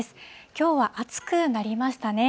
きょうは暑くなりましたね。